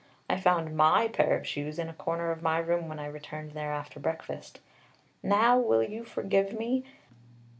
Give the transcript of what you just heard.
I found my pair of shoes in a corner of my room when I returned there after breakfast. Now will you forgive me?